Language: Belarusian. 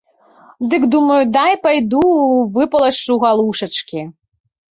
Дык думаю, дай пайду выпалашчу галушачкі.